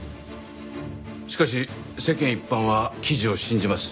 しかし世間一般は記事を信じます。